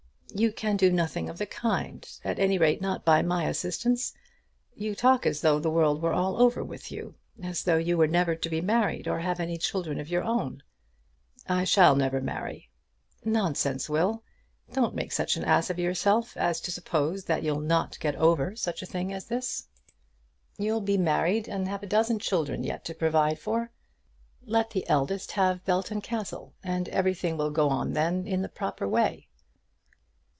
"You can do nothing of the kind; at any rate, not by my assistance. You talk as though the world were all over with you, as though you were never to be married or have any children of your own." "I shall never marry." "Nonsense, Will. Don't make such an ass of yourself as to suppose that you'll not get over such a thing as this. You'll be married and have a dozen children yet to provide for. Let the eldest have Belton Castle, and everything will go on then in the proper way."